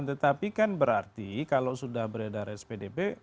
tetapi kan berarti kalau sudah beredar spdb